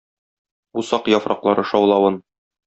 Усак яфраклары шаулавын...